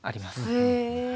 へえ！